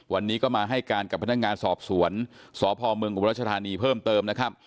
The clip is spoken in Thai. วันนี้ก็มาให้การกับพนักงานสอบสวนสพมกรทเพิ่มเติม